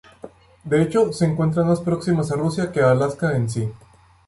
De hecho, se encuentran más próximas a Rusia que a Alaska en sí.